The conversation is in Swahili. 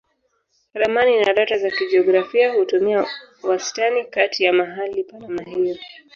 Ramani na data za kijiografia hutumia wastani kati ya mahali pa namna hiyo.